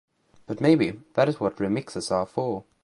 But maybe that is what remixes are for.